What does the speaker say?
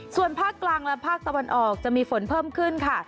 ส่วนภาคกลางและภาคตะวันออกจะมีฝนเพิ่มขึ้นค่ะ